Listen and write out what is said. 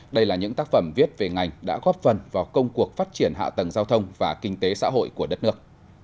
đây là những tác phẩm viết về ngành đã góp phần vào công cuộc phát triển hạ tầng giao thông và kinh tế xã hội của đất nước